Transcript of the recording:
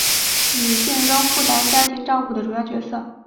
女性仍负担家庭照顾的主要角色